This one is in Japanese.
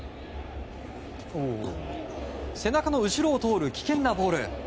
背中の後ろを通る危険なボール。